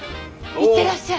行ってらっしゃい！